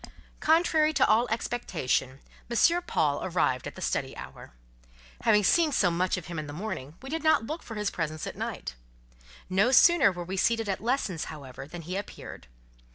Contrary to all expectation, M. Paul arrived at the study hour. Having seen so much of him in the morning, we did not look for his presence at night. No sooner were we seated at lessons, however, than he appeared.